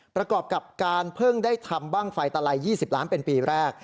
ประกอบกับการเพิ่งได้ทำบ้างไฟตะไล๒๐ล้านเป็นปีแรก